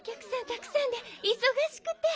たくさんでいそがしくて。